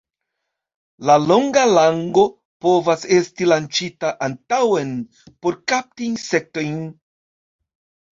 La longa lango povas esti lanĉita antaŭen por kapti insektojn.